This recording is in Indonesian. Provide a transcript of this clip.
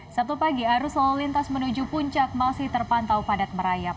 sabtu pagi arus lalu lintas menuju puncak masih terpantau padat merayap